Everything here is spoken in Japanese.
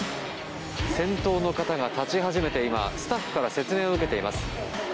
先頭の方が立ち始めてスタッフから説明を受けています。